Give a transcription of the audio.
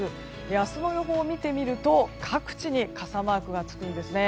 明日の予報を見てみると各地に傘マークがつくんですね。